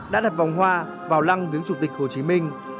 đã đặt vòng hoa vào lăng viếng chủ tịch hồ chí minh